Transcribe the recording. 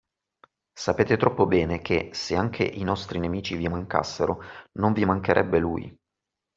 Sapete troppo bene che, se anche i nostri nemici vi mancassero, non vi mancherebbe lui!